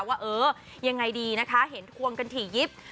ว่าเออยังไงดีนะคะเห็นทวงกันถี่ยิบ